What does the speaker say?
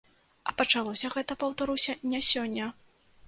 А пачалося гэта, паўтаруся, не сёння.